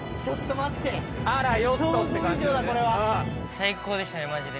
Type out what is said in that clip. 最高でしたねマジで。